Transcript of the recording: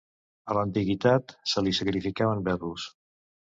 A l'antiguitat, se li sacrificaven verros.